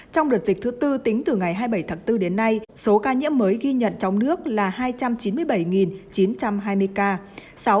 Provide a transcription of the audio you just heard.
trong đợt dịch thứ tư tính từ ngày hai mươi bảy tháng bốn đến nay số ca nhiễm mới ghi nhận trong nước là hai trăm chín mươi bảy chín trăm hai mươi ca